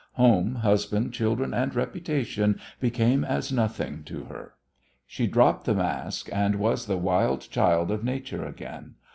Home, husband, children and reputation became as nothing to her. She dropped the mask and was the wild child of nature again.